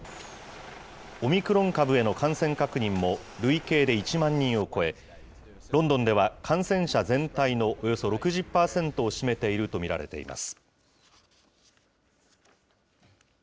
オミクロン株への感染確認も累計で１万人を超え、ロンドンでは感染者全体のおよそ６０％を占めていると見られています。